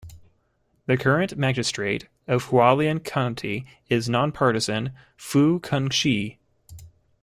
The current Magistrate of Hualien County is non-partisan Fu Kun-chi.